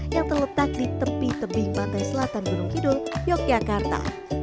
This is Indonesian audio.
yang terletak di tepi tebing pantai selatan gunung kidul yogyakarta